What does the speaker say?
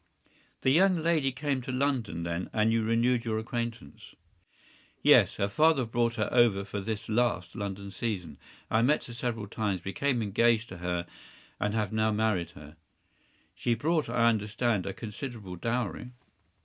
“The young lady came to London, then, and you renewed your acquaintance?” “Yes, her father brought her over for this last London season. I met her several times, became engaged to her, and have now married her.” “She brought, I understand, a considerable dowry?